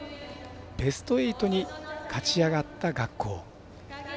ベスト８に勝ちあがった学校。